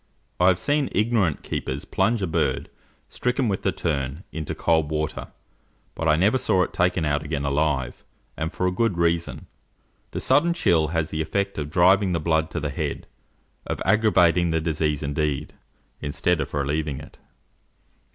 I have seen ignorant keepers plunge a bird, stricken with the "turn," into cold water; but I never saw it taken out again alive; and for a good reason: the sudden chill has the effect of driving the blood to the head, of aggravating the disease indeed, instead of relieving it.